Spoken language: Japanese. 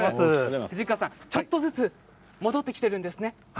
藤川さん、ちょっとずつ戻ってきているんですよね。